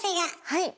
はい。